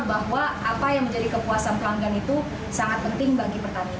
bahwa apa yang menjadi kepuasan pelanggan itu sangat penting bagi pertanian